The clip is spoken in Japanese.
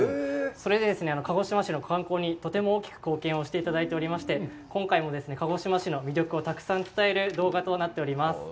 それでですね、鹿児島市の観光にとても大きく貢献をしていただいておりまして、今回もですね、鹿児島市の魅力をたくさん伝える動画となっております。